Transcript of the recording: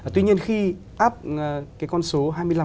tuy nhiên khi áp cái con số hai mươi năm